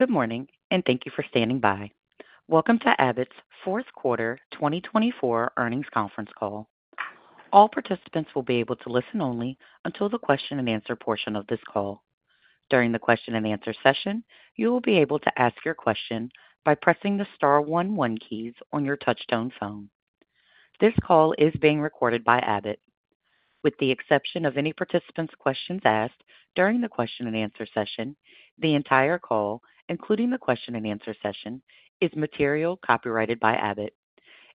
Good morning, and thank you for standing by. Welcome to Abbott's fourth quarter 2024 earnings conference call. All participants will be able to listen only until the question-and-answer portion of this call. During the question-and-answer session, you will be able to ask your question by pressing the star 11 keys on your touch-tone phone. This call is being recorded by Abbott. With the exception of any participants' questions asked during the question-and-answer session, the entire call, including the question-and-answer session, is material copyrighted by Abbott.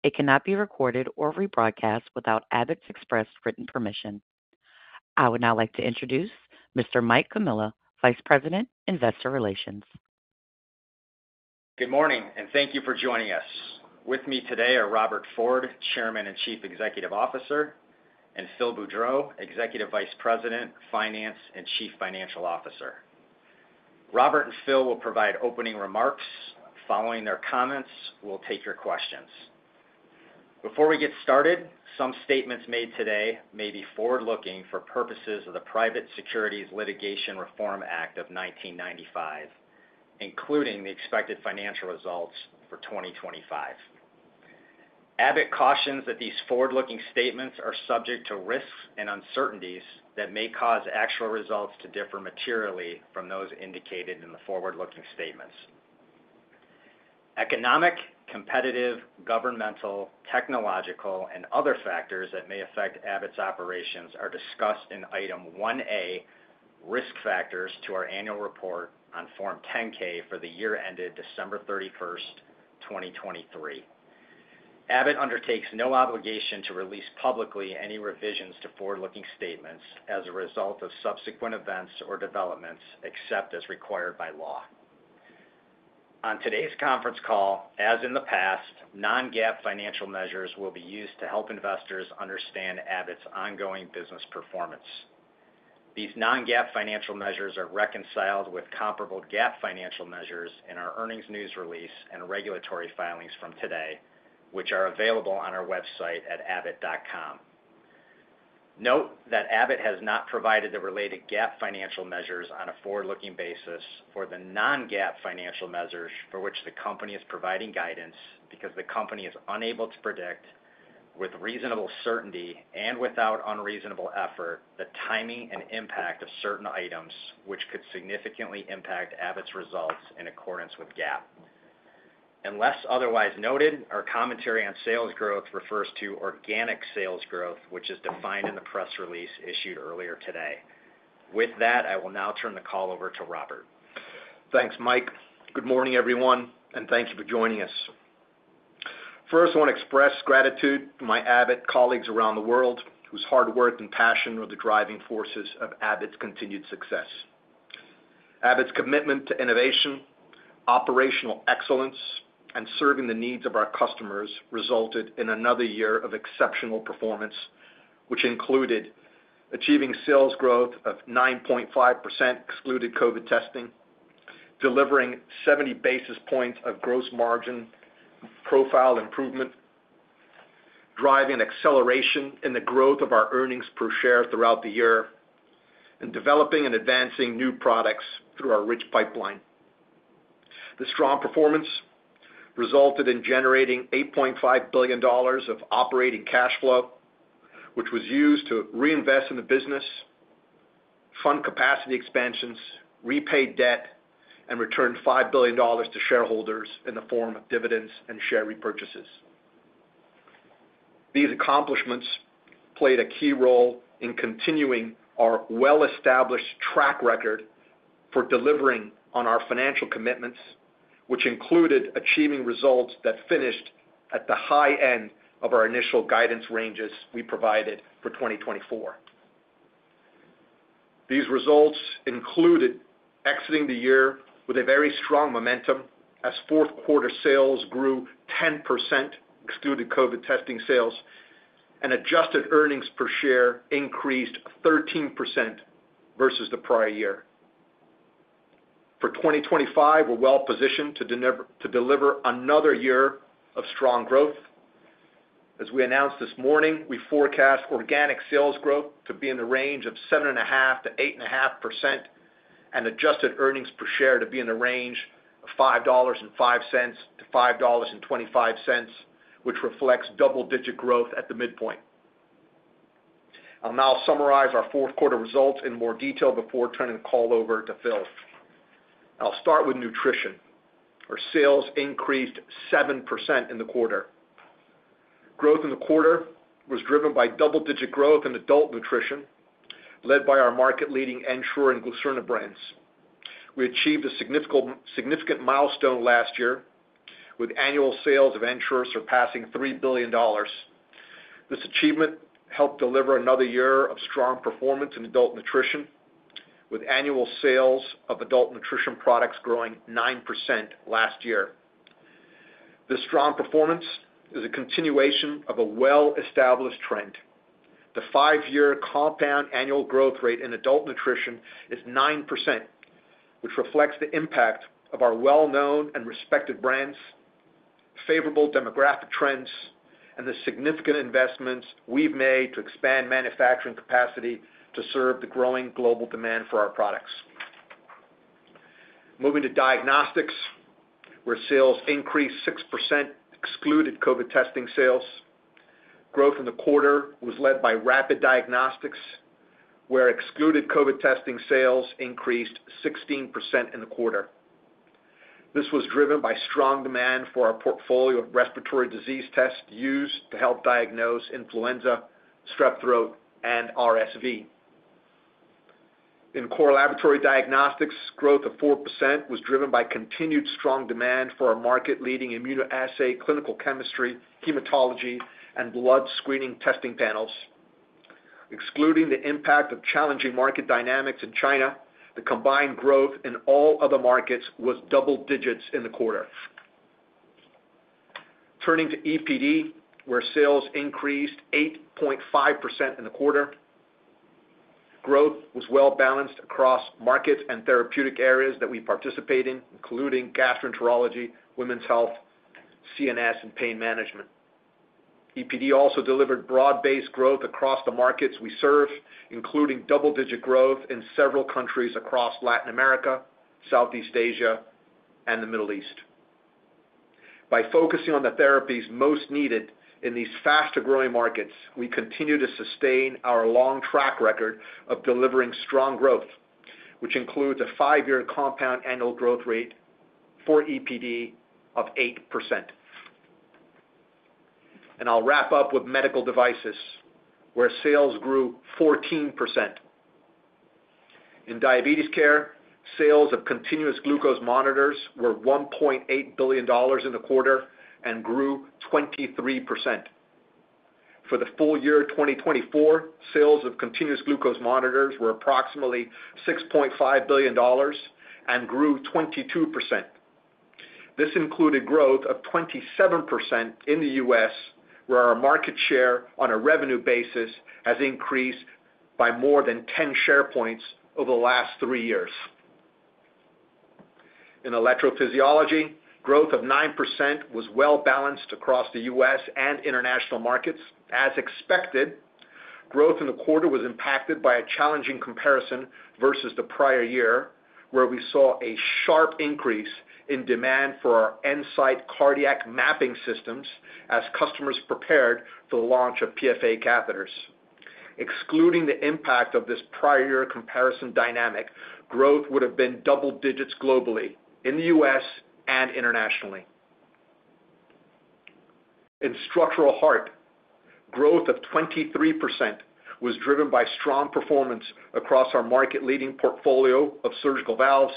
It cannot be recorded or rebroadcast without Abbott's express written permission. I would now like to introduce Mr. Mike Comilla, Vice President, Investor Relations. Good morning, and thank you for joining us. With me today are Robert Ford, Chairman and Chief Executive Officer, and Phil Boudreau, Executive Vice President, Finance and Chief Financial Officer. Robert and Phil will provide opening remarks. Following their comments, we'll take your questions. Before we get started, some statements made today may be forward-looking for purposes of the Private Securities Litigation Reform Act of 1995, including the expected financial results for 2025. Abbott cautions that these forward-looking statements are subject to risks and uncertainties that may cause actual results to differ materially from those indicated in the forward-looking statements. Economic, competitive, governmental, technological, and other factors that may affect Abbott's operations are discussed in Item 1A, Risk Factors, to our annual report on Form 10-K for the year ended December 31st, 2023. Abbott undertakes no obligation to release publicly any revisions to forward-looking statements as a result of subsequent events or developments except as required by law. On today's conference call, as in the past, non-GAAP financial measures will be used to help investors understand Abbott's ongoing business performance. These non-GAAP financial measures are reconciled with comparable GAAP financial measures in our earnings news release and regulatory filings from today, which are available on our website at abbott.com. Note that Abbott has not provided the related GAAP financial measures on a forward-looking basis for the non-GAAP financial measures for which the company is providing guidance because the company is unable to predict, with reasonable certainty and without unreasonable effort, the timing and impact of certain items which could significantly impact Abbott's results in accordance with GAAP. Unless otherwise noted, our commentary on sales growth refers to organic sales growth, which is defined in the press release issued earlier today. With that, I will now turn the call over to Robert. Thanks, Mike. Good morning, everyone, and thank you for joining us. First, I want to express gratitude to my Abbott colleagues around the world whose hard work and passion are the driving forces of Abbott's continued success. Abbott's commitment to innovation, operational excellence, and serving the needs of our customers resulted in another year of exceptional performance, which included achieving sales growth of 9.5% excluding COVID testing, delivering 70 basis points of gross margin profile improvement, driving acceleration in the growth of our earnings per share throughout the year, and developing and advancing new products through our rich pipeline. The strong performance resulted in generating $8.5 billion of operating cash flow, which was used to reinvest in the business, fund capacity expansions, repay debt, and return $5 billion to shareholders in the form of dividends and share repurchases. These accomplishments played a key role in continuing our well-established track record for delivering on our financial commitments, which included achieving results that finished at the high end of our initial guidance ranges we provided for 2024. These results included exiting the year with a very strong momentum as fourth quarter sales grew 10% excluding COVID testing sales, and adjusted earnings per share increased 13% versus the prior year. For 2025, we're well positioned to deliver another year of strong growth. As we announced this morning, we forecast organic sales growth to be in the range of 7.5%-8.5% and adjusted earnings per share to be in the range of $5.05-$5.25, which reflects double-digit growth at the midpoint. I'll now summarize our fourth quarter results in more detail before turning the call over to Phil. I'll start with nutrition. Our sales increased 7% in the quarter. Growth in the quarter was driven by double-digit growth in adult nutrition, led by our market-leading Ensure and Glucerna brands. We achieved a significant milestone last year with annual sales of Ensure surpassing $3 billion. This achievement helped deliver another year of strong performance in adult nutrition, with annual sales of adult nutrition products growing 9% last year. This strong performance is a continuation of a well-established trend. The five-year compound annual growth rate in adult nutrition is 9%, which reflects the impact of our well-known and respected brands, favorable demographic trends, and the significant investments we've made to expand manufacturing capacity to serve the growing global demand for our products. Moving to diagnostics, where sales increased 6%, excluding COVID testing sales. Growth in the quarter was led by rapid diagnostics, where, excluding COVID testing sales, increased 16% in the quarter. This was driven by strong demand for our portfolio of respiratory disease tests used to help diagnose influenza, strep throat, and RSV. In core laboratory diagnostics, growth of 4% was driven by continued strong demand for our market-leading immunoassay clinical chemistry, hematology, and blood screening testing panels. Excluding the impact of challenging market dynamics in China, the combined growth in all other markets was double digits in the quarter. Turning to EPD, where sales increased 8.5% in the quarter, growth was well-balanced across markets and therapeutic areas that we participate in, including gastroenterology, women's health, CNS, and pain management. EPD also delivered broad-based growth across the markets we serve, including double-digit growth in several countries across Latin America, Southeast Asia, and the Middle East. By focusing on the therapies most needed in these fast-growing markets, we continue to sustain our long track record of delivering strong growth, which includes a five-year compound annual growth rate for EPD of 8%. And I'll wrap up with medical devices, where sales grew 14%. In diabetes care, sales of continuous glucose monitors were $1.8 billion in the quarter and grew 23%. For the full year 2024, sales of continuous glucose monitors were approximately $6.5 billion and grew 22%. This included growth of 27% in the U.S., where our market share on a revenue basis has increased by more than 10 share points over the last three years. In electrophysiology, growth of 9% was well-balanced across the U.S. and international markets. As expected, growth in the quarter was impacted by a challenging comparison versus the prior year, where we saw a sharp increase in demand for our EnSite cardiac mapping systems as customers prepared for the launch of PFA catheters. Excluding the impact of this prior-year comparison dynamic, growth would have been double digits globally in the U.S. and internationally. In structural heart, growth of 23% was driven by strong performance across our market-leading portfolio of surgical valves,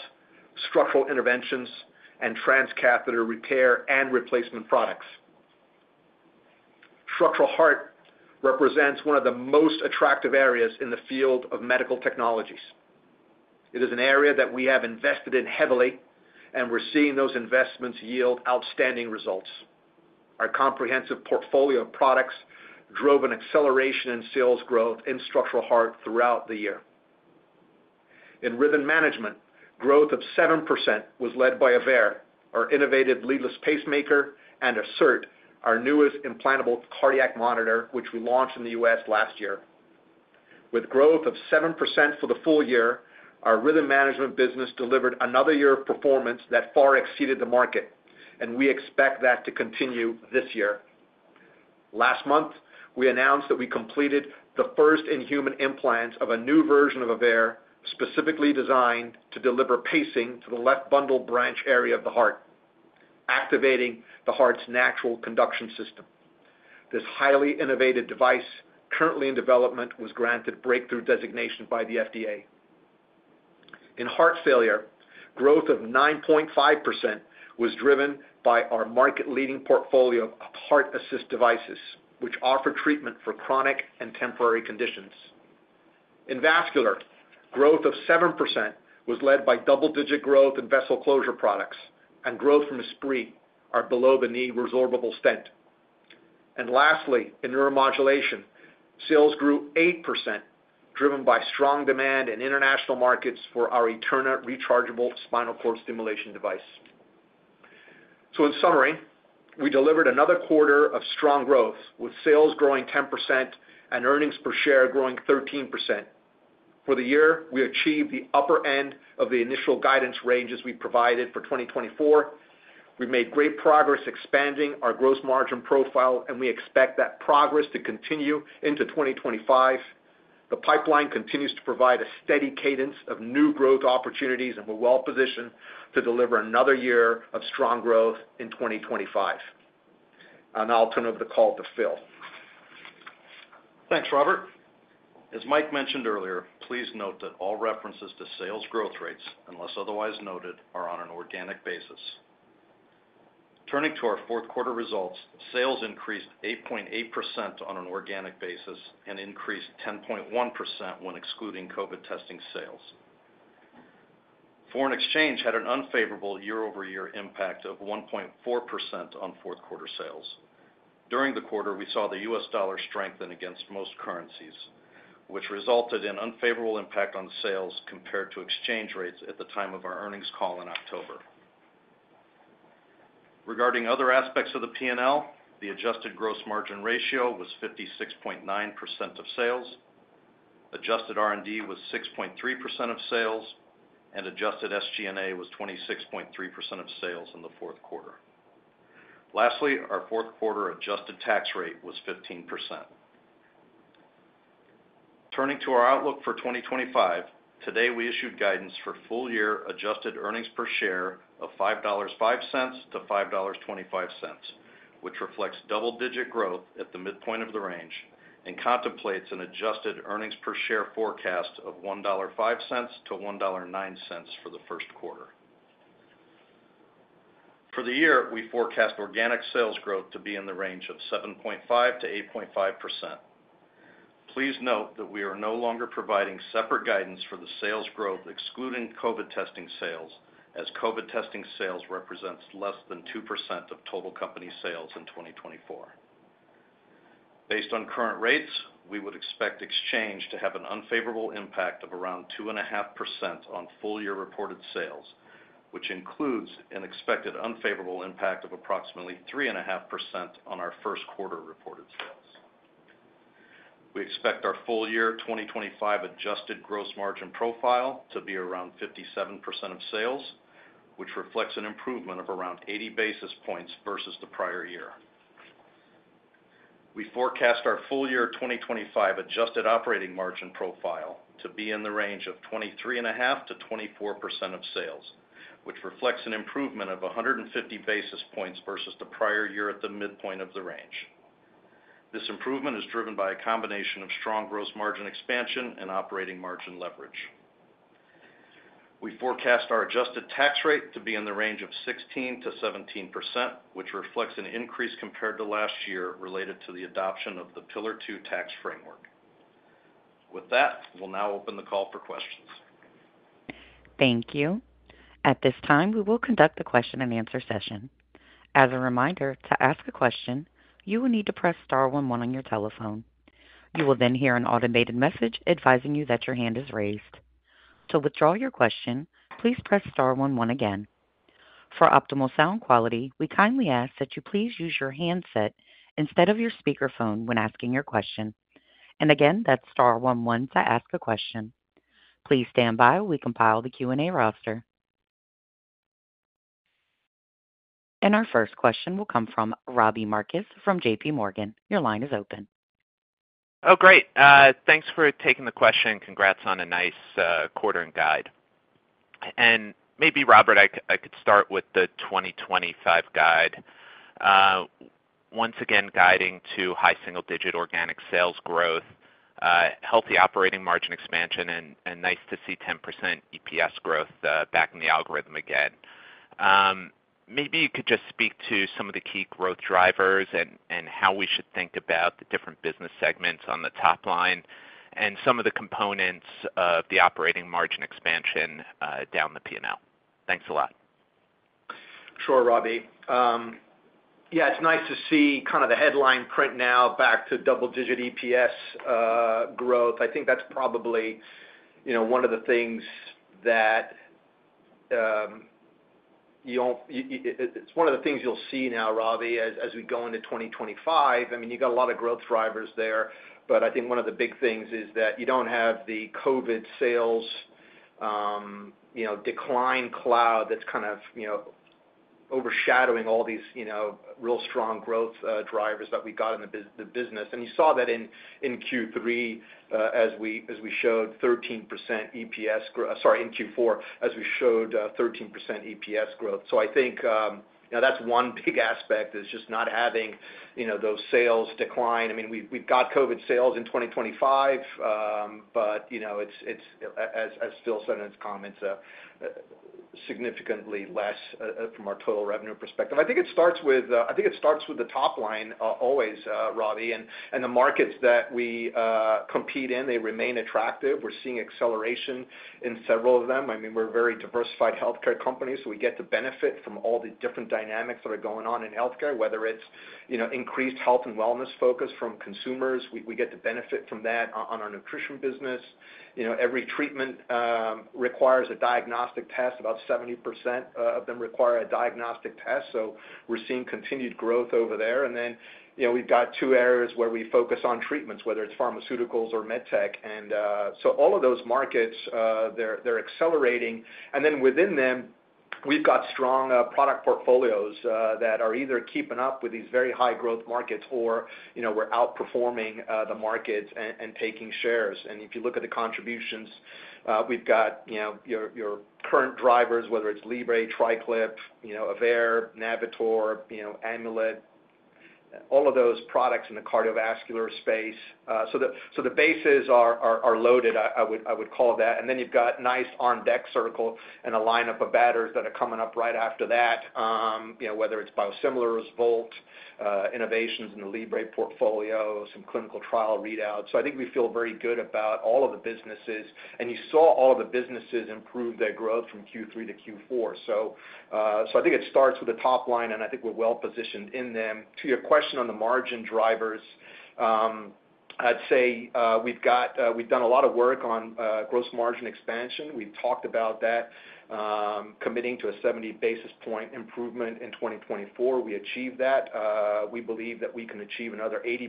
structural interventions, and transcatheter repair and replacement products. Structural heart represents one of the most attractive areas in the field of medical technologies. It is an area that we have invested in heavily, and we're seeing those investments yield outstanding results. Our comprehensive portfolio of products drove an acceleration in sales growth in structural heart throughout the year. In rhythm management, growth of 7% was led by Aveir, our innovative leadless pacemaker, and Assert, our newest implantable cardiac monitor, which we launched in the U.S. last year. With growth of 7% for the full year, our rhythm management business delivered another year of performance that far exceeded the market, and we expect that to continue this year. Last month, we announced that we completed the first in-human implants of a new version of Aveir, specifically designed to deliver pacing to the left bundle branch area of the heart, activating the heart's natural conduction system. This highly innovative device, currently in development, was granted breakthrough designation by the FDA. In heart failure, growth of 9.5% was driven by our market-leading portfolio of heart assist devices, which offer treatment for chronic and temporary conditions. In vascular, growth of 7% was led by double-digit growth in vessel closure products and growth from Esprit, our below-the-knee resorbable stent. And lastly, in neuromodulation, sales grew 8%, driven by strong demand in international markets for our Eterna rechargeable spinal cord stimulation device. So, in summary, we delivered another quarter of strong growth, with sales growing 10% and earnings per share growing 13%. For the year, we achieved the upper end of the initial guidance ranges we provided for 2024. We made great progress expanding our gross margin profile, and we expect that progress to continue into 2025. The pipeline continues to provide a steady cadence of new growth opportunities, and we're well positioned to deliver another year of strong growth in 2025. And I'll turn over the call to Phil. Thanks, Robert. As Mike mentioned earlier, please note that all references to sales growth rates, unless otherwise noted, are on an organic basis. Turning to our fourth quarter results, sales increased 8.8% on an organic basis and increased 10.1% when excluding COVID testing sales. Foreign exchange had an unfavorable year-over-year impact of 1.4% on fourth quarter sales. During the quarter, we saw the U.S. dollar strengthen against most currencies, which resulted in an unfavorable impact on sales compared to exchange rates at the time of our earnings call in October. Regarding other aspects of the P&L, the adjusted gross margin ratio was 56.9% of sales, adjusted R&D was 6.3% of sales, and adjusted SG&A was 26.3% of sales in the fourth quarter. Lastly, our fourth quarter adjusted tax rate was 15%. Turning to our outlook for 2025, today we issued guidance for full-year adjusted earnings per share of $5.05-$5.25, which reflects double-digit growth at the midpoint of the range and contemplates an adjusted earnings per share forecast of $1.05-$1.09 for the first quarter. For the year, we forecast organic sales growth to be in the range of 7.5%-8.5%. Please note that we are no longer providing separate guidance for the sales growth excluding COVID testing sales, as COVID testing sales represents less than 2% of total company sales in 2024. Based on current rates, we would expect exchange to have an unfavorable impact of around 2.5% on full-year reported sales, which includes an expected unfavorable impact of approximately 3.5% on our first quarter reported sales. We expect our full-year 2025 adjusted gross margin profile to be around 57% of sales, which reflects an improvement of around 80 basis points versus the prior year. We forecast our full-year 2025 adjusted operating margin profile to be in the range of 23.5%-24% of sales, which reflects an improvement of 150 basis points versus the prior year at the midpoint of the range. This improvement is driven by a combination of strong gross margin expansion and operating margin leverage. We forecast our adjusted tax rate to be in the range of 16%-17%, which reflects an increase compared to last year related to the adoption of the Pillar Two tax framework. With that, we'll now open the call for questions. Thank you. At this time, we will conduct the question-and-answer session. As a reminder, to ask a question, you will need to press star 11 on your telephone. You will then hear an automated message advising you that your hand is raised. To withdraw your question, please press star 11 again. For optimal sound quality, we kindly ask that you please use your handset instead of your speakerphone when asking your question, and again, that's star 11 to ask a question. Please stand by while we compile the Q&A roster, and our first question will come from Robbie Marcus from JPMorgan. Your line is open. Oh, great. Thanks for taking the question. Congrats on a nice quarter and guide, and maybe, Robert, I could start with the 2025 guide. Once again, guiding to high single-digit organic sales growth, healthy operating margin expansion, and nice to see 10% EPS growth back in the algorithm again. Maybe you could just speak to some of the key growth drivers and how we should think about the different business segments on the top line and some of the components of the operating margin expansion down the P&L. Thanks a lot. Sure, Robbie. Yeah, it's nice to see kind of the headline print now back to double-digit EPS growth. I think that's probably one of the things you'll see now, Robbie, as we go into 2025. I mean, you've got a lot of growth drivers there, but I think one of the big things is that you don't have the COVID sales decline cloud that's kind of overshadowing all these real strong growth drivers that we've got in the business. And you saw that in Q3, sorry, in Q4 as we showed 13% EPS growth. So I think that's one big aspect is just not having those sales decline. I mean, we've got COVID sales in 2025, but it's, as Phil said in his comments, significantly less from our total revenue perspective. I think it starts with the top line always, Robbie, and the markets that we compete in, they remain attractive. We're seeing acceleration in several of them. I mean, we're a very diversified healthcare company, so we get to benefit from all the different dynamics that are going on in healthcare, whether it's increased health and wellness focus from consumers. We get to benefit from that on our nutrition business. Every treatment requires a diagnostic test. About 70% of them require a diagnostic test, so we're seeing continued growth over there, and then we've got two areas where we focus on treatments, whether it's pharmaceuticals or MedTech, and so all of those markets, they're accelerating, and then within them, we've got strong product portfolios that are either keeping up with these very high-growth markets or we're outperforming the markets and taking shares. If you look at the contributions, we've got your current drivers, whether it's Libre, TriClip, Aveir, Navitor, Amulet, all of those products in the cardiovascular space. So the bases are loaded, I would call that. Then you've got nice on-deck circle and a lineup of batters that are coming up right after that, whether it's biosimilars, Volt, innovations in the Libre portfolio, some clinical trial readouts. So I think we feel very good about all of the businesses. You saw all of the businesses improve their growth from Q3 to Q4. It starts with the top line, and I think we're well positioned in them. To your question on the margin drivers, I'd say we've done a lot of work on gross margin expansion. We've talked about that, committing to a 70 basis point improvement in 2024. We achieved that. We believe that we can achieve another 80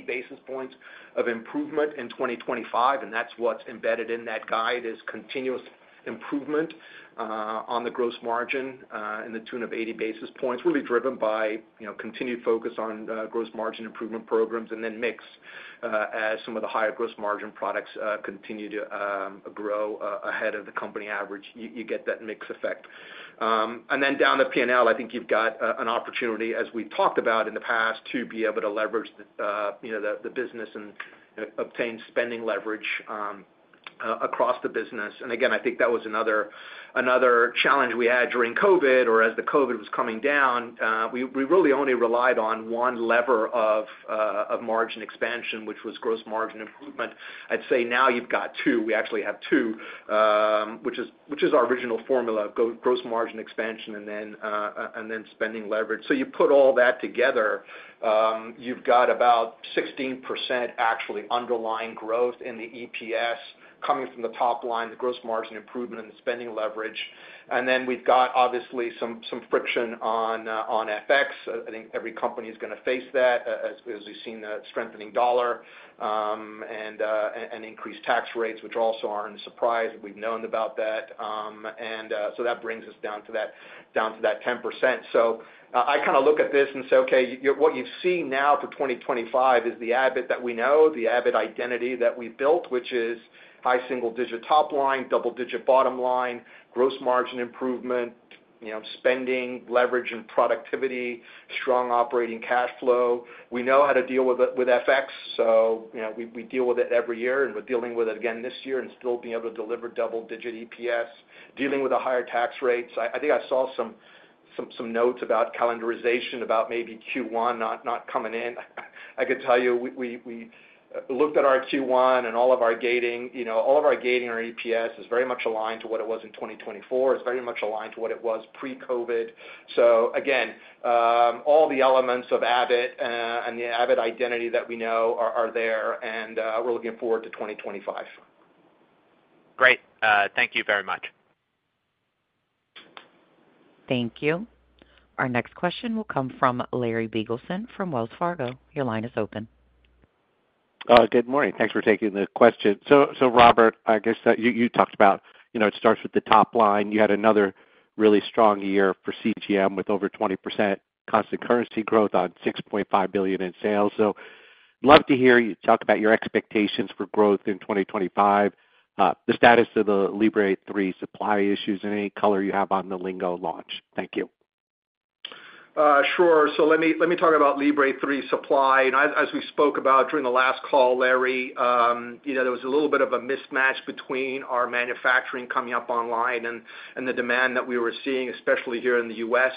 basis points of improvement in 2025, and that's what's embedded in that guide is continuous improvement on the gross margin in the tune of 80 basis points, really driven by continued focus on gross margin improvement programs and then mix as some of the higher gross margin products continue to grow ahead of the company average. You get that mix effect, and then down the P&L, I think you've got an opportunity, as we've talked about in the past, to be able to leverage the business and obtain spending leverage across the business. And again, I think that was another challenge we had during COVID or as the COVID was coming down. We really only relied on one lever of margin expansion, which was gross margin improvement. I'd say now you've got two. We actually have two, which is our original formula of gross margin expansion and then spending leverage. So you put all that together, you've got about 16% actually underlying growth in the EPS coming from the top line, the gross margin improvement, and the spending leverage. And then we've got, obviously, some friction on FX. I think every company is going to face that, as we've seen the strengthening dollar and increased tax rates, which also aren't a surprise. We've known about that. And so that brings us down to that 10%. So I kind of look at this and say, "Okay, what you see now for 2025 is the Abbott that we know, the Abbott identity that we've built, which is high single-digit top line, double-digit bottom line, gross margin improvement, spending, leverage, and productivity, strong operating cash flow. We know how to deal with FX, so we deal with it every year. And we're dealing with it again this year and still being able to deliver double-digit EPS, dealing with the higher tax rates. I think I saw some notes about calendarization about maybe Q1 not coming in. I could tell you we looked at our Q1 and all of our gating. All of our gating on EPS is very much aligned to what it was in 2024. It's very much aligned to what it was pre-COVID. So again, all the elements of Abbott and the Abbott identity that we know are there, and we're looking forward to 2025. Great. Thank you very much. Thank you. Our next question will come from Larry Biegelsen from Wells Fargo. Your line is open. Good morning. Thanks for taking the question. So Robert, I guess you talked about it starts with the top line. You had another really strong year for CGM with over 20% constant currency growth on $6.5 billion in sales. So I'd love to hear you talk about your expectations for growth in 2025, the status of the Libre 3 supply issues, and any color you have on the Lingo launch. Thank you. Sure. So let me talk about Libre 3 supply. As we spoke about during the last call, Larry, there was a little bit of a mismatch between our manufacturing coming up online and the demand that we were seeing, especially here in the U.S.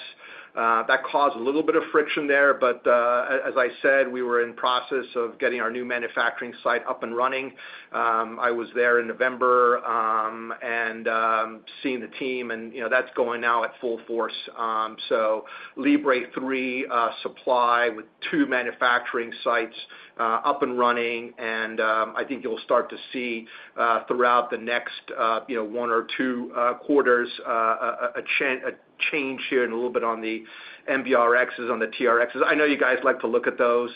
That caused a little bit of friction there. But as I said, we were in the process of getting our new manufacturing site up and running. I was there in November and seeing the team, and that's going now at full force. So Libre 3 supply with two manufacturing sites up and running. And I think you'll start to see throughout the next one or two quarters a change here and a little bit on the NBRxs, on the TRxs. I know you guys like to look at those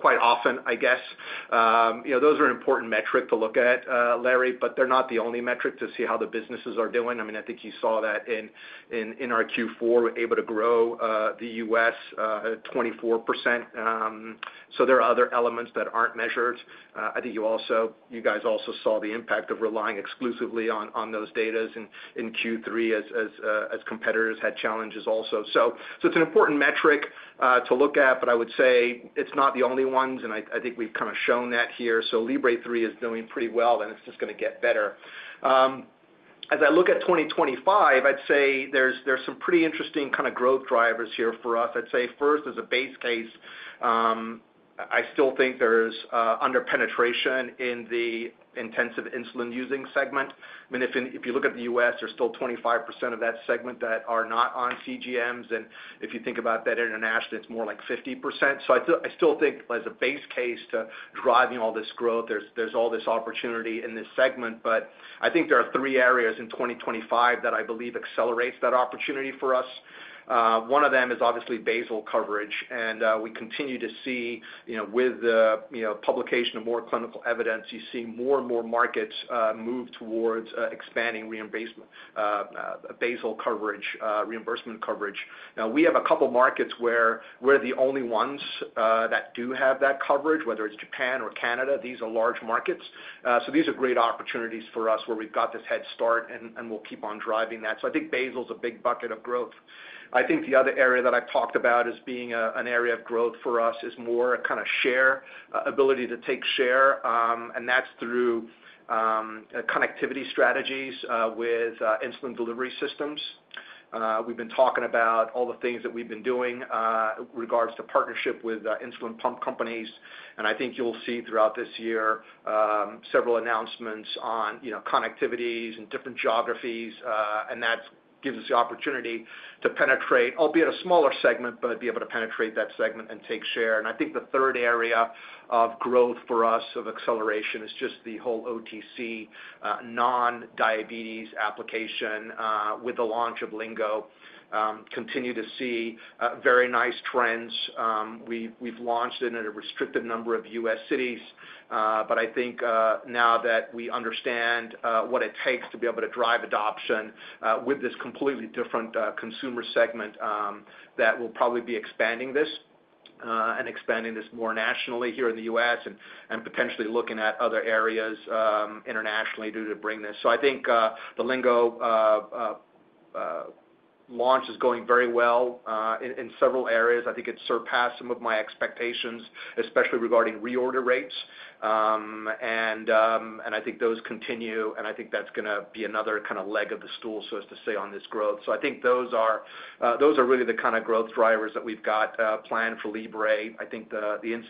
quite often, I guess. Those are an important metric to look at, Larry, but they're not the only metric to see how the businesses are doing. I mean, I think you saw that in our Q4, we were able to grow the U.S. 24%. So there are other elements that aren't measured. I think you guys also saw the impact of relying exclusively on those data in Q3 as competitors had challenges also. So it's an important metric to look at, but I would say it's not the only ones, and I think we've kind of shown that here. So Libre 3 is doing pretty well, and it's just going to get better. As I look at 2025, I'd say there's some pretty interesting kind of growth drivers here for us. I'd say first, as a base case, I still think there's under-penetration in the intensive insulin-using segment. I mean, if you look at the U.S., there's still 25% of that segment that are not on CGMs, and if you think about that internationally, it's more like 50%, so I still think, as a base case to driving all this growth, there's all this opportunity in this segment, but I think there are three areas in 2025 that I believe accelerate that opportunity for us. One of them is obviously basal coverage, and we continue to see, with the publication of more clinical evidence, you see more and more markets move towards expanding basal coverage, reimbursement coverage. Now, we have a couple of markets where we're the only ones that do have that coverage, whether it's Japan or Canada. These are large markets, so these are great opportunities for us where we've got this head start, and we'll keep on driving that. So I think basal is a big bucket of growth. I think the other area that I've talked about as being an area of growth for us is more kind of share ability to take share. And that's through connectivity strategies with insulin delivery systems. We've been talking about all the things that we've been doing in regards to partnership with insulin pump companies. And I think you'll see throughout this year several announcements on connectivities in different geographies. And that gives us the opportunity to penetrate, albeit a smaller segment, but be able to penetrate that segment and take share. And I think the third area of growth for us of acceleration is just the whole OTC non-diabetes application with the launch of Lingo. Continue to see very nice trends. We've launched it in a restricted number of U.S. cities. But I think now that we understand what it takes to be able to drive adoption with this completely different consumer segment, that we'll probably be expanding this and expanding this more nationally here in the US and potentially looking at other areas internationally to bring this. So I think the Lingo launch is going very well in several areas. I think it surpassed some of my expectations, especially regarding reorder rates. And I think those continue. And I think that's going to be another kind of leg of the stool, so to say, on this growth. So I think those are really the kind of growth drivers that we've got planned for Libre. I think the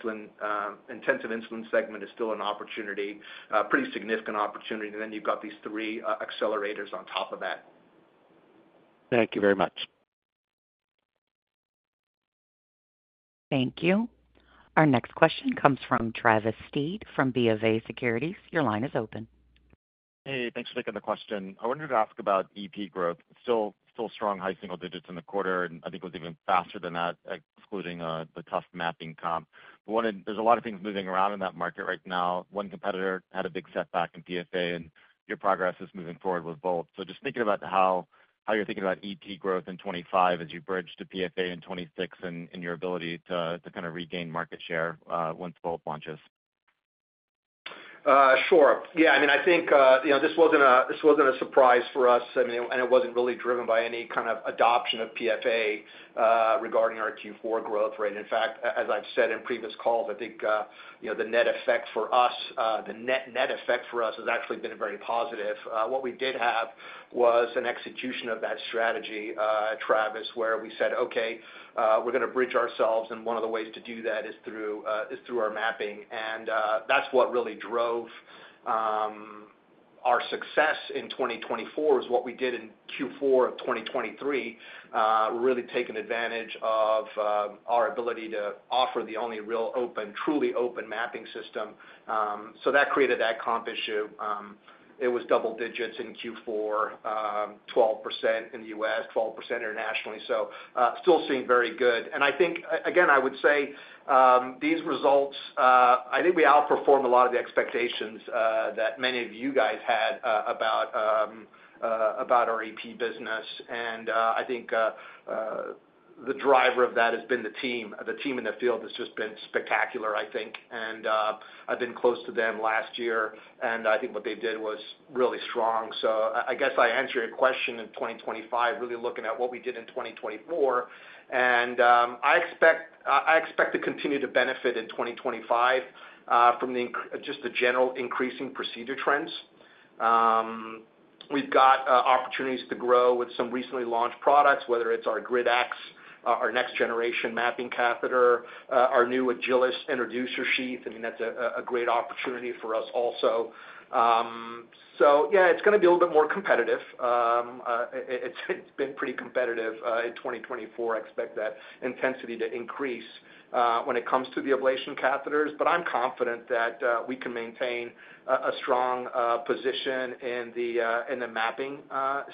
intensive insulin segment is still an opportunity, a pretty significant opportunity. And then you've got these three accelerators on top of that. Thank you very much. Thank you. Our next question comes from Travis Steed from BofA Securities. Your line is open. Hey, thanks for taking the question. I wanted to ask about EP growth. Still strong high single digits in the quarter, and I think it was even faster than that, excluding the tough mapping comp. There's a lot of things moving around in that market right now. One competitor had a big setback in PFA, and your progress is moving forward with Volt. So just thinking about how you're thinking about EP growth in 2025 as you bridge to PFA in 2026 and your ability to kind of regain market share once Volt launches. Sure. Yeah. I mean, I think this wasn't a surprise for us. I mean, and it wasn't really driven by any kind of adoption of PFA regarding our Q4 growth rate. In fact, as I've said in previous calls, I think the net effect for us, the net effect for us has actually been very positive. What we did have was an execution of that strategy, Travis, where we said, "Okay, we're going to bridge ourselves." And one of the ways to do that is through our mapping. And that's what really drove our success in 2024, is what we did in Q4 of 2023, really taking advantage of our ability to offer the only real open, truly open mapping system. So that created that comp issue. It was double digits in Q4, 12% in the U.S., 12% internationally. So still seeing very good. And I think, again, I would say these results. I think we outperformed a lot of the expectations that many of you guys had about our EP business. And I think the driver of that has been the team. The team in the field has just been spectacular, I think. And I've been close to them last year. And I think what they did was really strong. So I guess I answered your question in 2025, really looking at what we did in 2024. And I expect to continue to benefit in 2025 from just the general increasing procedure trends. We've got opportunities to grow with some recently launched products, whether it's our Grid X, our next generation mapping catheter, our new Agilis introducer sheath. I mean, that's a great opportunity for us also. So yeah, it's going to be a little bit more competitive. It's been pretty competitive in 2024. I expect that intensity to increase when it comes to the ablation catheters. But I'm confident that we can maintain a strong position in the mapping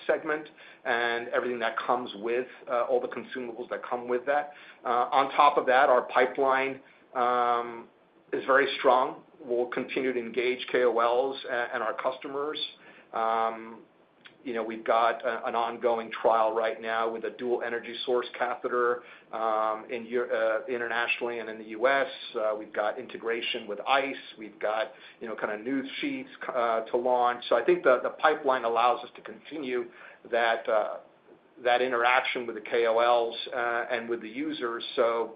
segment and everything that comes with all the consumables that come with that. On top of that, our pipeline is very strong. We'll continue to engage KOLs and our customers. We've got an ongoing trial right now with a dual energy source catheter internationally and in the U.S. We've got integration with ICE. We've got kind of new sheaths to launch. So I think the pipeline allows us to continue that interaction with the KOLs and with the users. So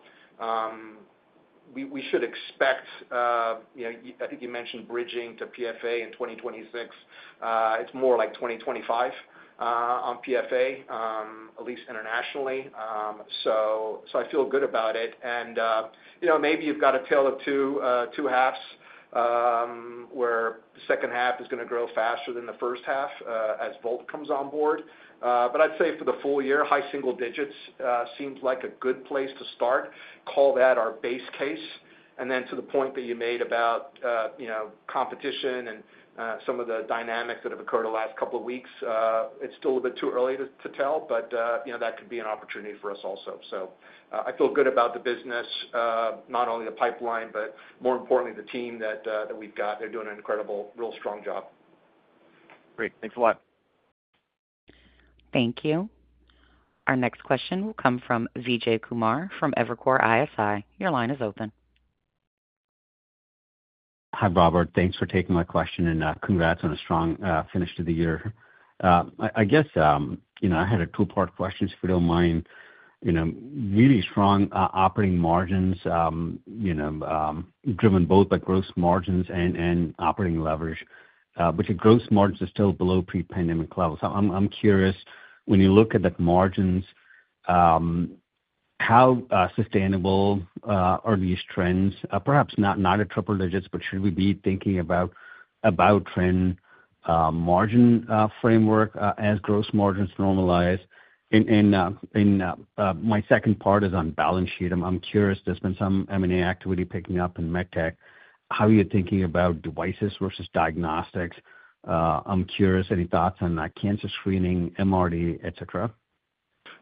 we should expect, I think you mentioned bridging to PFA in 2026. It's more like 2025 on PFA, at least internationally. So I feel good about it. And maybe you've got a tale of two halves where the second half is going to grow faster than the first half as Volt comes on board. But I'd say for the full year, high single digits seems like a good place to start. Call that our base case. And then to the point that you made about competition and some of the dynamics that have occurred the last couple of weeks, it's still a bit too early to tell, but that could be an opportunity for us also. So I feel good about the business, not only the pipeline, but more importantly, the team that we've got. They're doing an incredible, real strong job. Great. Thanks a lot. Thank you. Our next question will come from Vijay Kumar from Evercore ISI. Your line is open. Hi Robert. Thanks for taking my question and congrats on a strong finish to the year. I guess I had a two-part question, if you don't mind. Really strong operating margins driven both by gross margins and operating leverage, but your gross margins are still below pre-pandemic levels. I'm curious, when you look at the margins, how sustainable are these trends? Perhaps not at triple digits, but should we be thinking about trend margin framework as gross margins normalize? And my second part is on balance sheet. I'm curious, there's been some M&A activity picking up in MedTech. How are you thinking about devices versus diagnostics? I'm curious, any thoughts on cancer screening, MRD, etc.?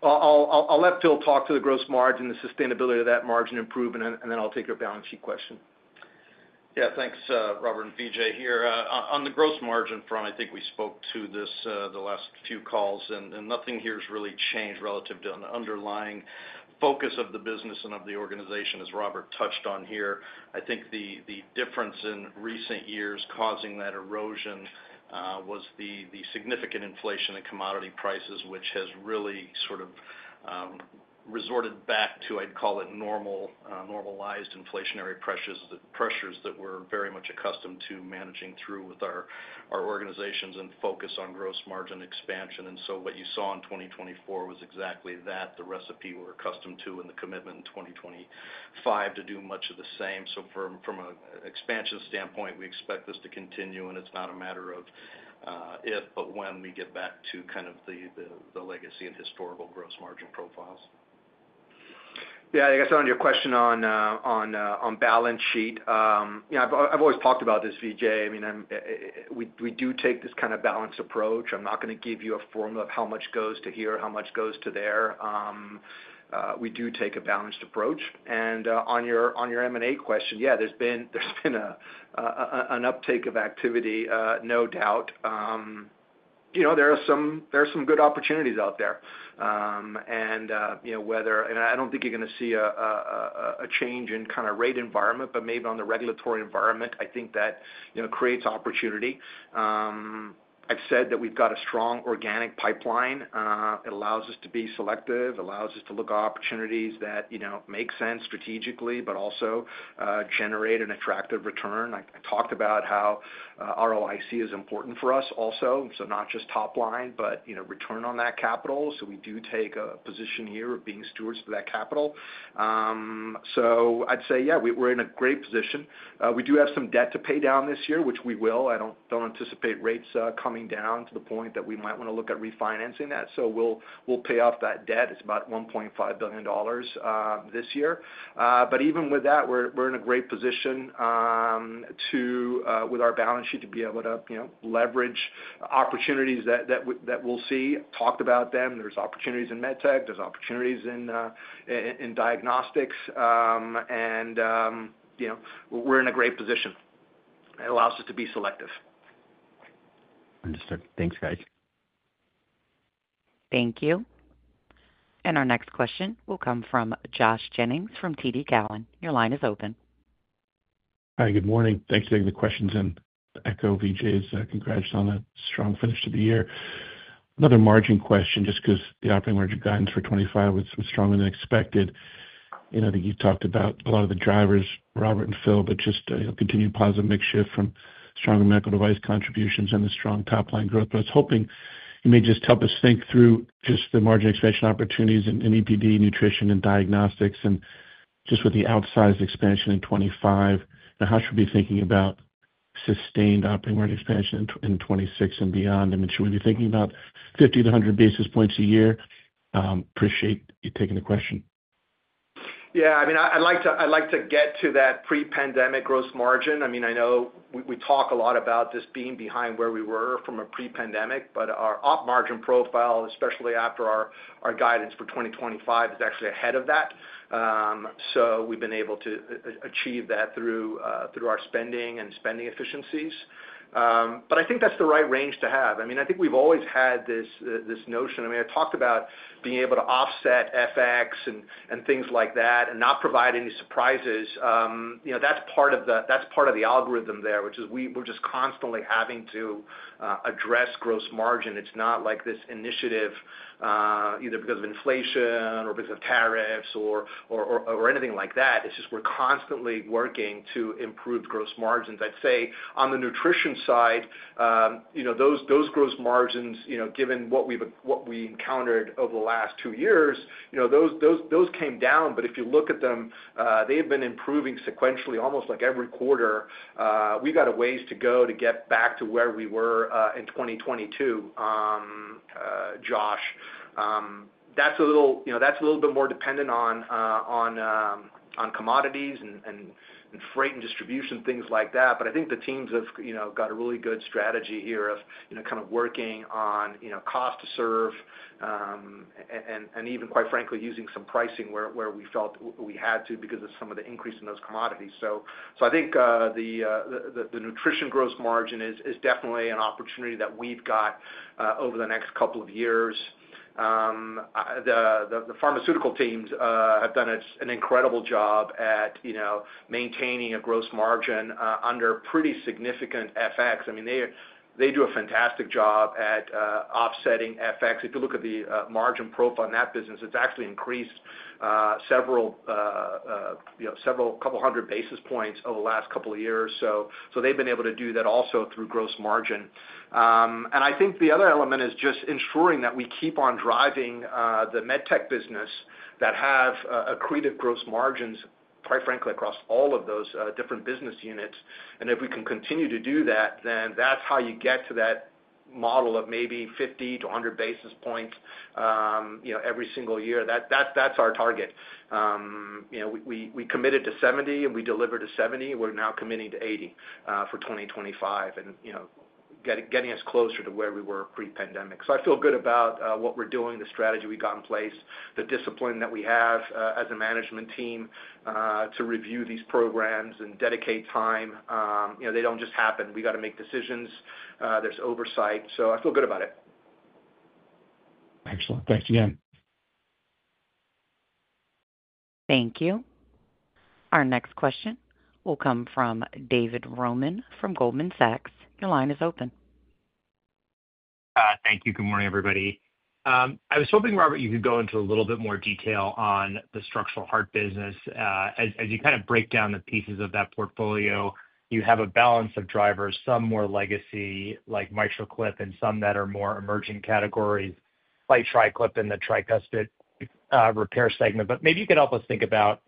I'll let Phil talk to the gross margin, the sustainability of that margin improvement, and then I'll take your balance sheet question. Yeah. Thanks, Robert and Vijay here. On the gross margin front, I think we spoke to this the last few calls, and nothing here has really changed relative to an underlying focus of the business and of the organization, as Robert touched on here. I think the difference in recent years causing that erosion was the significant inflation in commodity prices, which has really sort of resorted back to, I'd call it, normalized inflationary pressures that we're very much accustomed to managing through with our organizations and focus on gross margin expansion. And so what you saw in 2024 was exactly that, the recipe we're accustomed to and the commitment in 2025 to do much of the same. So from an expansion standpoint, we expect this to continue, and it's not a matter of if, but when we get back to kind of the legacy and historical gross margin profiles. Yeah. I guess on your question on balance sheet, I've always talked about this, Vijay. I mean, we do take this kind of balanced approach. I'm not going to give you a formula of how much goes to here, how much goes to there. We do take a balanced approach. And on your M&A question, yeah, there's been an uptake of activity, no doubt. There are some good opportunities out there. And I don't think you're going to see a change in kind of rate environment, but maybe on the regulatory environment, I think that creates opportunity. I've said that we've got a strong organic pipeline. It allows us to be selective, allows us to look at opportunities that make sense strategically, but also generate an attractive return. I talked about how ROIC is important for us also. So not just top line, but return on that capital. So we do take a position here of being stewards for that capital. So I'd say, yeah, we're in a great position. We do have some debt to pay down this year, which we will. I don't anticipate rates coming down to the point that we might want to look at refinancing that. So we'll pay off that debt. It's about $1.5 billion this year. But even with that, we're in a great position with our balance sheet to be able to leverage opportunities that we'll see. Talked about them. There's opportunities in MedTech. There's opportunities in diagnostics. And we're in a great position. It allows us to be selective. Understood. Thanks, guys. Thank you. And our next question will come from Josh Jennings from TD Cowen. Your line is open. Hi. Good morning. Thanks for taking the questions and echo Vijay's congrats on a strong finish to the year. Another margin question, just because the operating margin guidance for 2025 was stronger than expected. I think you talked about a lot of the drivers, Robert and Phil, but just continued positive mixture from strong medical device contributions and the strong top-line growth, but I was hoping you may just help us think through just the margin expansion opportunities in EPD, nutrition, and diagnostics, and just with the outsized expansion in 2025, and how should we be thinking about sustained operating margin expansion in 2026 and beyond? I mean, should we be thinking about 50-100 basis points a year? Appreciate you taking the question. Yeah. I mean, I'd like to get to that pre-pandemic gross margin. I mean, I know we talk a lot about this being behind where we were from a pre-pandemic, but our op margin profile, especially after our guidance for 2025, is actually ahead of that. So we've been able to achieve that through our spending and spending efficiencies. But I think that's the right range to have. I mean, I think we've always had this notion. I mean, I talked about being able to offset FX and things like that and not provide any surprises. That's part of the algorithm there, which is we're just constantly having to address gross margin. It's not like this initiative either because of inflation or because of tariffs or anything like that. It's just we're constantly working to improve gross margins. I'd say on the nutrition side, those gross margins, given what we encountered over the last two years, those came down. But if you look at them, they have been improving sequentially, almost like every quarter. We've got a ways to go to get back to where we were in 2022, Josh. That's a little bit more dependent on commodities and freight and distribution, things like that. But I think the teams have got a really good strategy here of kind of working on cost to serve and even, quite frankly, using some pricing where we felt we had to because of some of the increase in those commodities. So I think the nutrition gross margin is definitely an opportunity that we've got over the next couple of years. The pharmaceutical teams have done an incredible job at maintaining a gross margin under pretty significant FX. I mean, they do a fantastic job at offsetting FX. If you look at the margin profile in that business, it's actually increased several couple hundred basis points over the last couple of years. So they've been able to do that also through gross margin. And I think the other element is just ensuring that we keep on driving the MedTech business that have accretive gross margins, quite frankly, across all of those different business units. And if we can continue to do that, then that's how you get to that model of maybe 50-100 basis points every single year. That's our target. We committed to 70, and we delivered to 70. We're now committing to 80 for 2025 and getting us closer to where we were pre-pandemic. So I feel good about what we're doing, the strategy we got in place, the discipline that we have as a management team to review these programs and dedicate time. They don't just happen. We got to make decisions. There's oversight. So I feel good about it. Excellent. Thanks again. Thank you. Our next question will come from David Roman from Goldman Sachs. Your line is open. Thank you. Good morning, everybody. I was hoping, Robert, you could go into a little bit more detail on the structural heart business. As you kind of break down the pieces of that portfolio, you have a balance of drivers, some more legacy like MitraClip and some that are more emerging categories, like TriClip in the tricuspid repair segment, but maybe you could help us think about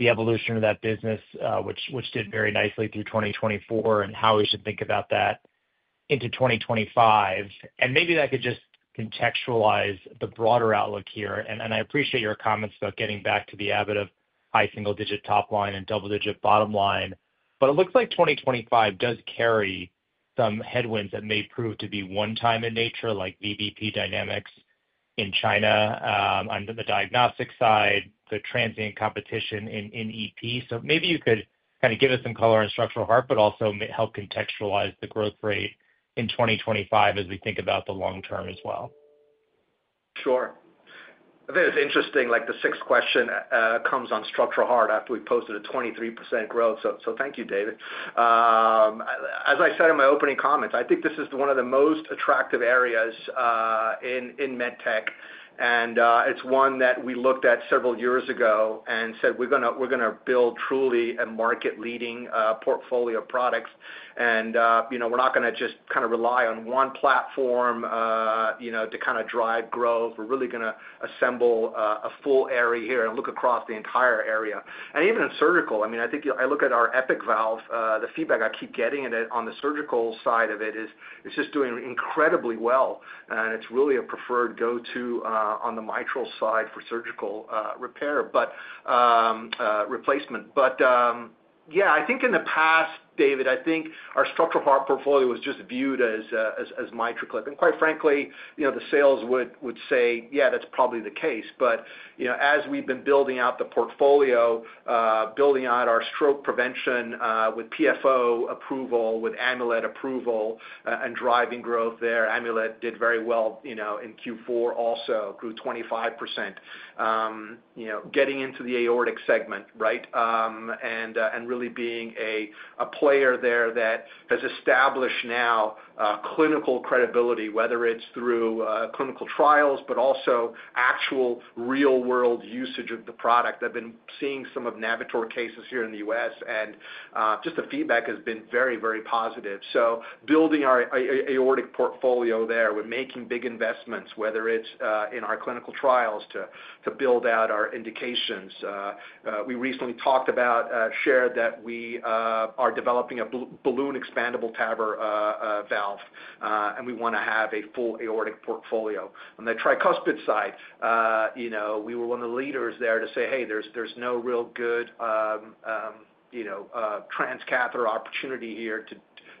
the evolution of that business, which did very nicely through 2024, and how we should think about that into 2025, and maybe that could just contextualize the broader outlook here. I appreciate your comments about getting back to the habit of high single-digit top line and double-digit bottom line, but it looks like 2025 does carry some headwinds that may prove to be one-time in nature, like VBP dynamics in China on the diagnostic side, the transient competition in EP. So maybe you could kind of give us some color on structural heart, but also help contextualize the growth rate in 2025 as we think about the long-term as well. Sure. I think it's interesting. The sixth question comes on structural heart after we posted a 23% growth. So thank you, David. As I said in my opening comments, I think this is one of the most attractive areas in MedTech. And it's one that we looked at several years ago and said, "We're going to build truly a market-leading portfolio of products." And we're not going to just kind of rely on one platform to kind of drive growth. We're really going to assemble a full area here and look across the entire area. And even in surgical, I mean, I think I look at our Epic valve. The feedback I keep getting on the surgical side of it is it's just doing incredibly well. And it's really a preferred go-to on the mitral side for surgical repair but replacement. But yeah, I think in the past, David, I think our structural heart portfolio was just viewed as MitraClip. And quite frankly, the sales would say, "Yeah, that's probably the case." But as we've been building out the portfolio, building out our stroke prevention with PFO approval, with Amulet approval, and driving growth there, Amulet did very well in Q4 also, grew 25%. Getting into the aortic segment, right, and really being a player there that has established now clinical credibility, whether it's through clinical trials, but also actual real-world usage of the product. I've been seeing some of Navitor cases here in the U.S., and just the feedback has been very, very positive. So building our aortic portfolio there, we're making big investments, whether it's in our clinical trials to build out our indications. We recently talked about, shared that we are developing a balloon expandable TAVR valve, and we want to have a full aortic portfolio. On the tricuspid side, we were one of the leaders there to say, "Hey, there's no real good transcatheter opportunity here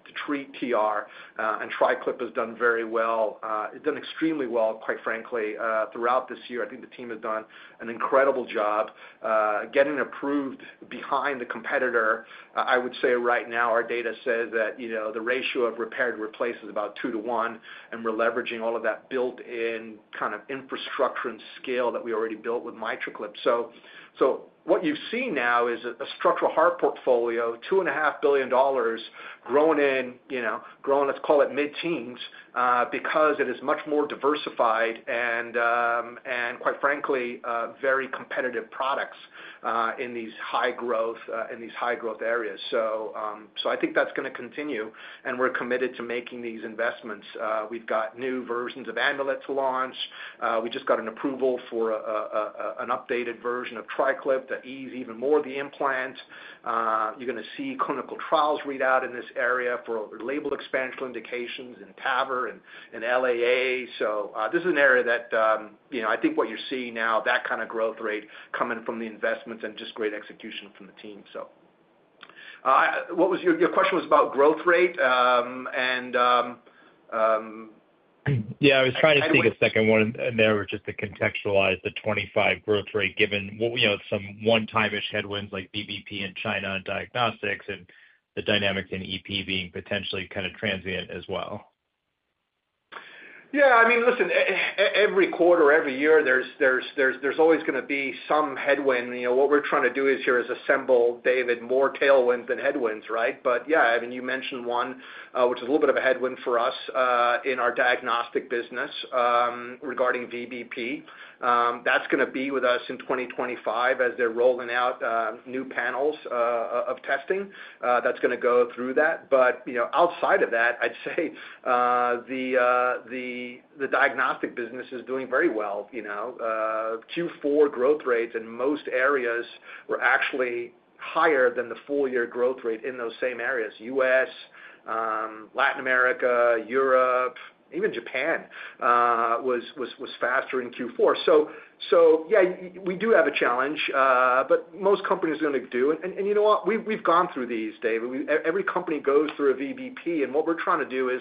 to treat TR," and TriClip has done very well. It's done extremely well, quite frankly, throughout this year. I think the team has done an incredible job getting approved behind the competitor. I would say right now, our data says that the ratio of repaired to replaced is about two to one, and we're leveraging all of that built-in kind of infrastructure and scale that we already built with MitraClip. So what you've seen now is a structural heart portfolio, $2.5 billion grown in, let's call it mid-teens, because it is much more diversified and, quite frankly, very competitive products in these high-growth areas. So I think that's going to continue, and we're committed to making these investments. We've got new versions of Amulet to launch. We just got an approval for an updated version of TriClip that ease even more of the implants. You're going to see clinical trials read out in this area for labeled expansion indications in TAVR and LAA. So this is an area that I think what you're seeing now, that kind of growth rate coming from the investments and just great execution from the team. So your question was about growth rate and. Yeah. I was trying to take a second one there just to contextualize the '25 growth rate, given some one-time-ish headwinds like VBP in China and diagnostics and the dynamics in EP being potentially kind of transient as well. Yeah. I mean, listen, every quarter, every year, there's always going to be some headwind. What we're trying to do here is assemble, David, more tailwinds than headwinds, right? But yeah, I mean, you mentioned one, which is a little bit of a headwind for us in our diagnostic business regarding VBP. That's going to be with us in 2025 as they're rolling out new panels of testing. That's going to go through that. But outside of that, I'd say the diagnostic business is doing very well. Q4 growth rates in most areas were actually higher than the full-year growth rate in those same areas. U.S., Latin America, Europe, even Japan was faster in Q4. So yeah, we do have a challenge, but most companies are going to do. And you know what? We've gone through these, David. Every company goes through a VBP, and what we're trying to do is,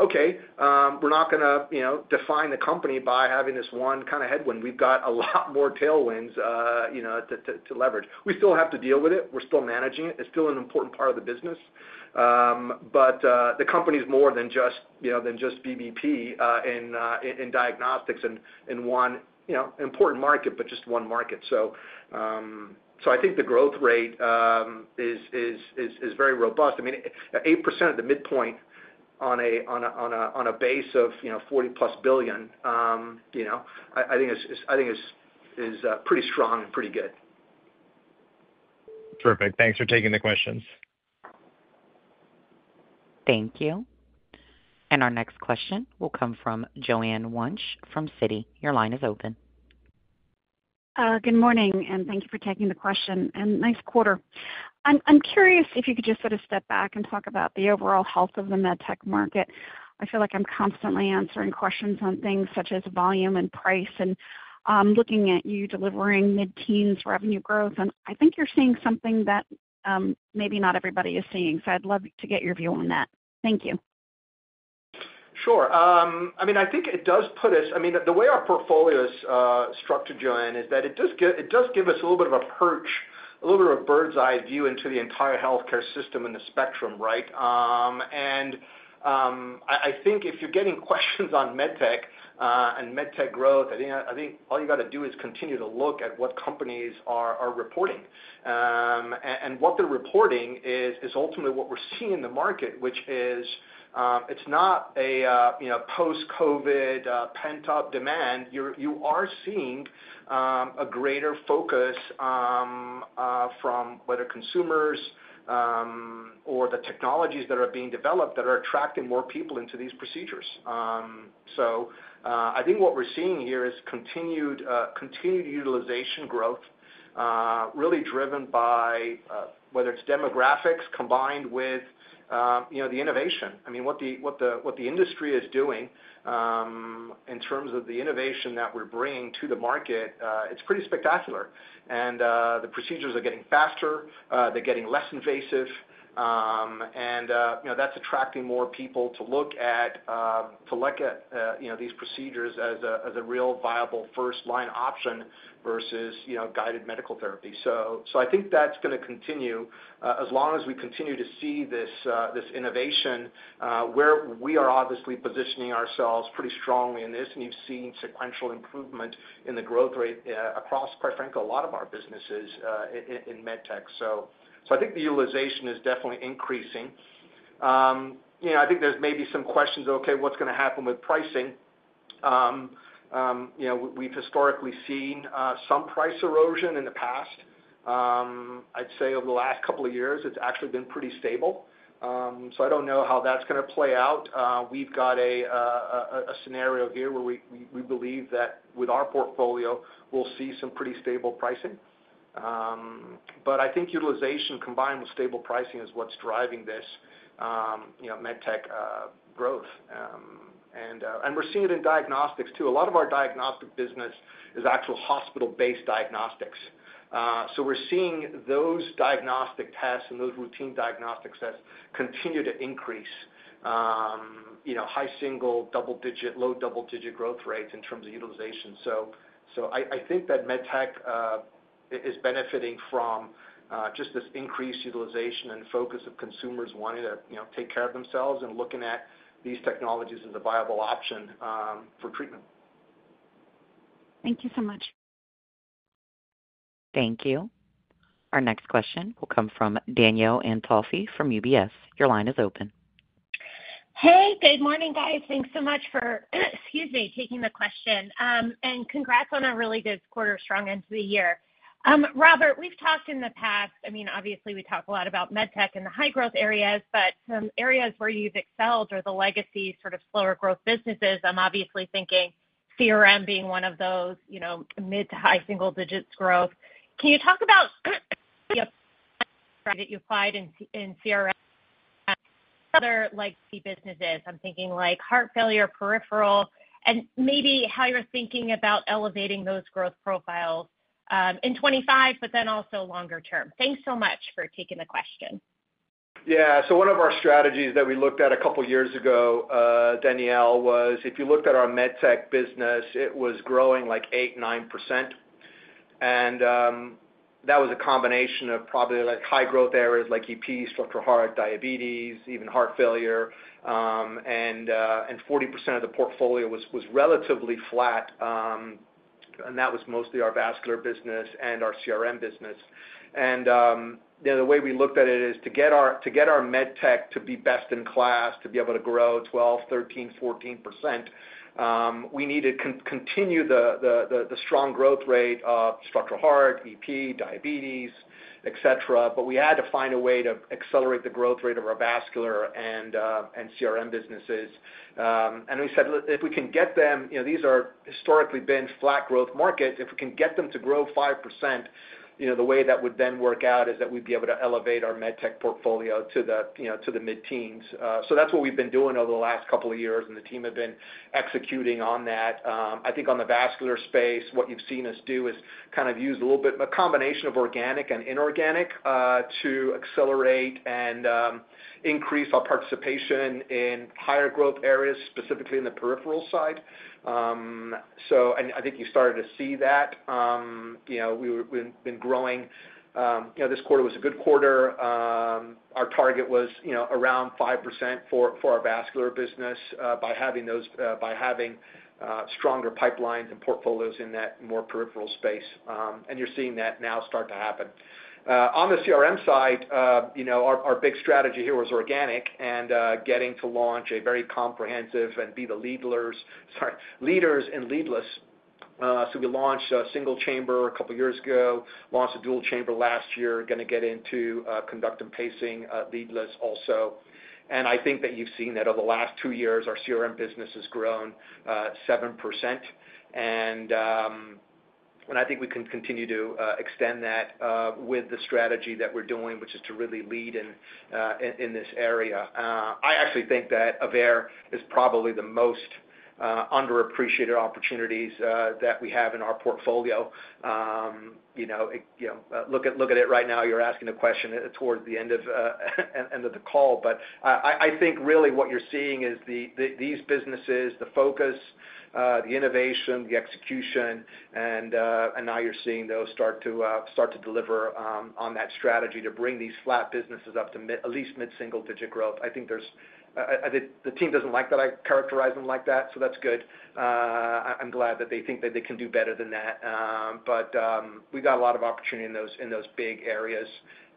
okay, we're not going to define the company by having this one kind of headwind. We've got a lot more tailwinds to leverage. We still have to deal with it. We're still managing it. It's still an important part of the business. But the company is more than just VBP in diagnostics and one important market, but just one market. So I think the growth rate is very robust. I mean, 8% of the midpoint on a base of $40-plus billion, I think is pretty strong and pretty good. Terrific. Thanks for taking the questions. Thank you. And our next question will come from Joanne Wuensch from Citi. Your line is open. Good morning, and thank you for taking the question. And nice quarter. I'm curious if you could just sort of step back and talk about the overall health of the MedTech market. I feel like I'm constantly answering questions on things such as volume and price, and I'm looking at you delivering mid-teens revenue growth. And I think you're seeing something that maybe not everybody is seeing. So I'd love to get your view on that. Thank you. Sure. I mean, I think it does put us. I mean, the way our portfolio is structured, Joanne, is that it does give us a little bit of a perch, a little bit of a bird's-eye view into the entire healthcare system and the spectrum, right? And I think if you're getting questions on MedTech and MedTech growth, I think all you got to do is continue to look at what companies are reporting. And what they're reporting is ultimately what we're seeing in the market, which is it's not a post-COVID pent-up demand. You are seeing a greater focus from whether consumers or the technologies that are being developed that are attracting more people into these procedures. So I think what we're seeing here is continued utilization growth, really driven by whether it's demographics combined with the innovation. I mean, what the industry is doing in terms of the innovation that we're bringing to the market, it's pretty spectacular. And the procedures are getting faster. They're getting less invasive. And that's attracting more people to look at these procedures as a real viable first-line option versus guided medical therapy. So I think that's going to continue as long as we continue to see this innovation where we are obviously positioning ourselves pretty strongly in this. And you've seen sequential improvement in the growth rate across, quite frankly, a lot of our businesses in MedTech. So I think the utilization is definitely increasing. I think there's maybe some questions of, okay, what's going to happen with pricing? We've historically seen some price erosion in the past. I'd say over the last couple of years, it's actually been pretty stable. So I don't know how that's going to play out. We've got a scenario here where we believe that with our portfolio, we'll see some pretty stable pricing, but I think utilization combined with stable pricing is what's driving this MedTech growth, and we're seeing it in diagnostics too. A lot of our diagnostic business is actual hospital-based diagnostics, so we're seeing those diagnostic tests and those routine diagnostic tests continue to increase high single, double-digit, low double-digit growth rates in terms of utilization, so I think that MedTech is benefiting from just this increased utilization and focus of consumers wanting to take care of themselves and looking at these technologies as a viable option for treatment. Thank you so much. Thank you. Our next question will come from Danielle Antalffy from UBS. Your line is open. Hey, good morning, guys. Thanks so much for, excuse me, taking the question. And congrats on a really good quarter, strong end to the year. Robert, we've talked in the past. I mean, obviously, we talk a lot about MedTech and the high-growth areas, but some areas where you've excelled are the legacy sort of slower growth businesses. I'm obviously thinking CRM being one of those mid-to-high single-digits growth. Can you talk about that you applied in CRM and other legacy businesses? I'm thinking like heart failure, peripheral, and maybe how you're thinking about elevating those growth profiles in 2025, but then also longer term. Thanks so much for taking the question. Yeah. So one of our strategies that we looked at a couple of years ago, Danielle, was if you looked at our MedTech business, it was growing like 8%, 9%. And that was a combination of probably high-growth areas like EP, structural heart, diabetes, even heart failure. And 40% of the portfolio was relatively flat. And that was mostly our vascular business and our CRM business. And the way we looked at it is to get our MedTech to be best in class, to be able to grow 12%, 13%, 14%, we need to continue the strong growth rate of structural heart, EP, diabetes, etc. But we had to find a way to accelerate the growth rate of our vascular and CRM businesses. And we said, "If we can get them" these are historically been flat growth markets. If we can get them to grow 5%, the way that would then work out is that we'd be able to elevate our MedTech portfolio to the mid-teens. So that's what we've been doing over the last couple of years, and the team have been executing on that. I think on the vascular space, what you've seen us do is kind of use a little bit of a combination of organic and inorganic to accelerate and increase our participation in higher growth areas, specifically in the peripheral side. And I think you started to see that. We've been growing. This quarter was a good quarter. Our target was around 5% for our vascular business by having stronger pipelines and portfolios in that more peripheral space. And you're seeing that now start to happen. On the CRM side, our big strategy here was organic and getting to launch a very comprehensive and be the leaders in leadless. So we launched a single-chamber a couple of years ago, launched a dual-chamber last year, going to get into conduction and pacing leadless also. And I think that you've seen that over the last two years, our CRM business has grown 7%. And I think we can continue to extend that with the strategy that we're doing, which is to really lead in this area. I actually think that Aveir is probably the most underappreciated opportunities that we have in our portfolio. Look at it right now. You're asking a question towards the end of the call. But I think really what you're seeing is these businesses, the focus, the innovation, the execution, and now you're seeing those start to deliver on that strategy to bring these flat businesses up to at least mid-single-digit growth. I think the team doesn't like that. I characterize them like that. So that's good. I'm glad that they think that they can do better than that. But we've got a lot of opportunity in those big areas,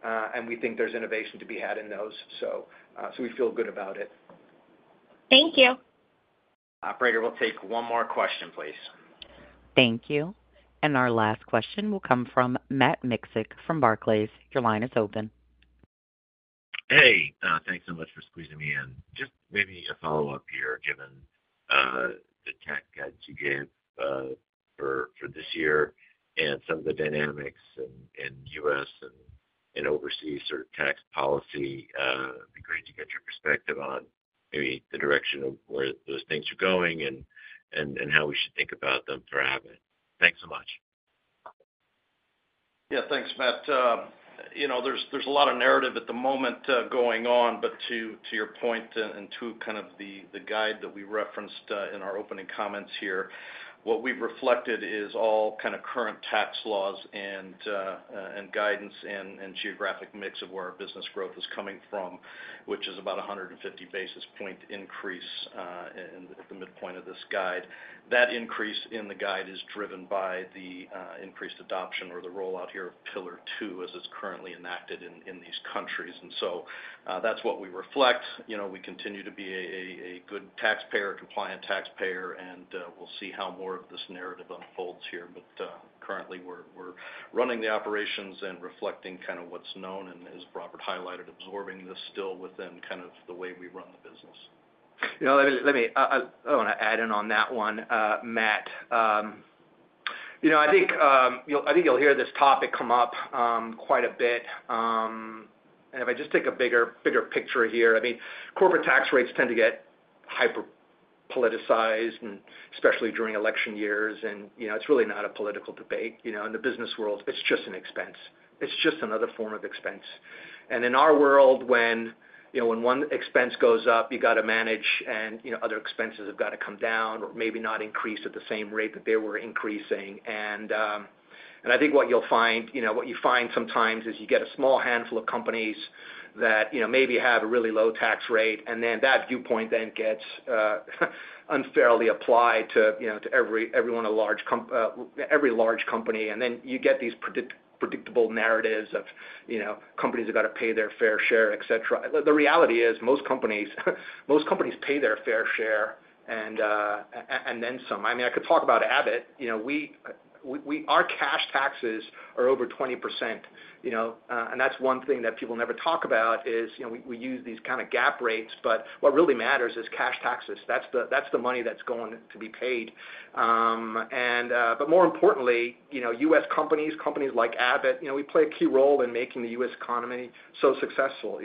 and we think there's innovation to be had in those. So we feel good about it. Thank you. Operator, we'll take one more question, please. Thank you. And our last question will come from Matt Miksic from Barclays. Your line is open. Hey, thanks so much for squeezing me in. Just maybe a follow-up here, given the tax guidance you gave for this year and some of the dynamics in U.S. and overseas sort of tax policy. It'd be great to get your perspective on maybe the direction of where those things are going and how we should think about them for having. Thanks so much. Yeah. Thanks, Matt. There's a lot of narrative at the moment going on, but to your point and to kind of the guide that we referenced in our opening comments here, what we've reflected is all kind of current tax laws and guidance and geographic mix of where our business growth is coming from, which is about 150 basis point increase at the midpoint of this guide. That increase in the guide is driven by the increased adoption or the rollout here of Pillar Two as it's currently enacted in these countries, and so that's what we reflect. We continue to be a good taxpayer, compliant taxpayer, and we'll see how more of this narrative unfolds here, but currently, we're running the operations and reflecting kind of what's known, and as Robert highlighted, absorbing this still within kind of the way we run the business. Let me chime in on that one, Matt. I think you'll hear this topic come up quite a bit. If I just take a bigger picture here, I mean, corporate tax rates tend to get hyper-politicized, especially during election years. It's really not a political debate. In the business world, it's just an expense. It's just another form of expense. In our world, when one expense goes up, you got to manage, and other expenses have got to come down or maybe not increase at the same rate that they were increasing. I think what you'll find, what you find sometimes is you get a small handful of companies that maybe have a really low-tax-rate, and then that viewpoint then gets unfairly applied to everyone in a large company. And then you get these predictable narratives of companies that got to pay their fair share, etc. The reality is most companies pay their fair share and then some. I mean, I could talk about Abbott. Our cash taxes are over 20%. And that's one thing that people never talk about is we use these kind of GAAP rates. But what really matters is cash taxes. That's the money that's going to be paid. But more importantly, U.S. companies, companies like Abbott, we play a key role in making the U.S. economy so successful.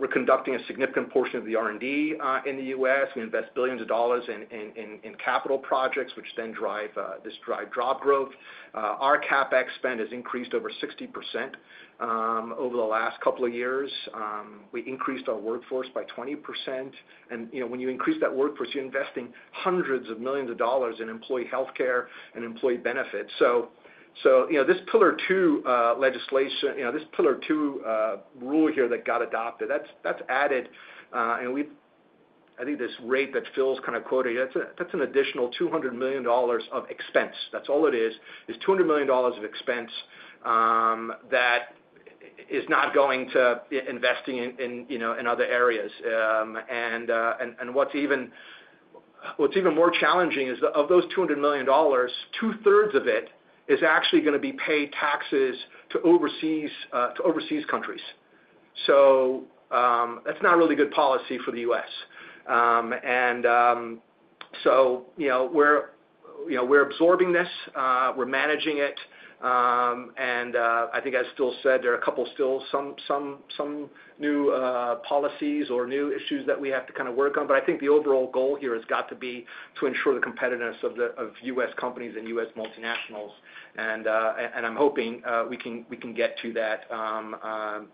We're conducting a significant portion of the R&D in the U.S. We invest billions of dollars in capital projects, which then drive job growth. Our CapEx spend has increased over 60% over the last couple of years. We increased our workforce by 20%. And when you increase that workforce, you're investing hundreds of millions of dollars in employee healthcare and employee benefits. So this Pillar Two legislation, this Pillar Two rule here that got adopted, that's added. And I think this rate that Phil's kind of quoted, that's an additional $200 million of expense. That's all it is, is $200 million of expense that is not going to investing in other areas. And what's even more challenging is of those $200 million, two-thirds of it is actually going to be paid taxes to overseas countries. So that's not really good policy for the U.S. And so we're absorbing this. We're managing it. And I think, as Phil said, there are a couple still some new policies or new issues that we have to kind of work on. But I think the overall goal here has got to be to ensure the competitiveness of U.S. companies and U.S. multinationals. And I'm hoping we can get to that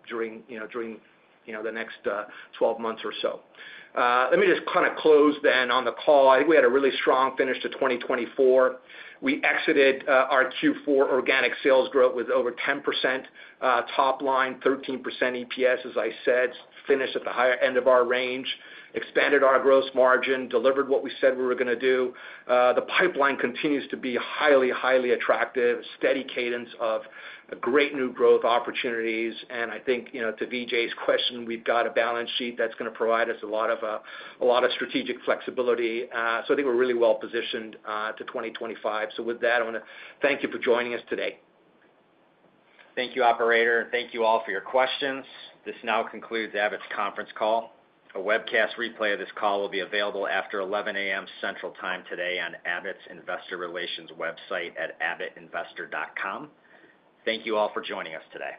during the next 12 months or so. Let me just kind of close then on the call. I think we had a really strong finish to 2024. We exited our Q4 organic sales growth with over 10% top line, 13% EPS, as I said, finished at the higher end of our range, expanded our gross margin, delivered what we said we were going to do. The pipeline continues to be highly, highly attractive, a steady cadence of great new growth opportunities. And I think to Vijay's question, we've got a balance sheet that's going to provide us a lot of strategic flexibility. So I think we're really well positioned to 2025. So with that, I want to thank you for joining us today. Thank you, Operator. Thank you all for your questions. This now concludes Abbott's conference call. A webcast replay of this call will be available after 11:00 A.M. Central Time today on Abbott's investor relations website at abbottinvestor.com. Thank you all for joining us today.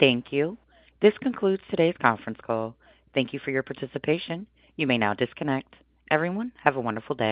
Thank you. This concludes today's conference call. Thank you for your participation. You may now disconnect. Everyone, have a wonderful day.